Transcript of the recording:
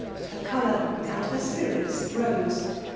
Her colour and hep spirits rose.